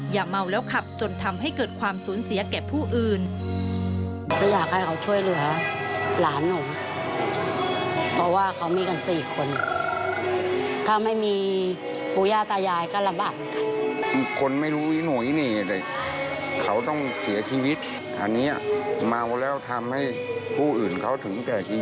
อย่าเมาแล้วขับจนทำให้เกิดความสูญเสียแก่ผู้อื่น